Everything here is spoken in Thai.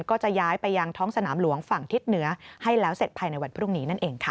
ก็จะย้ายไปยังท้องสนามหลวงฝั่งทิศเหนือให้แล้วเสร็จภายในวันพรุ่งนี้นั่นเองค่ะ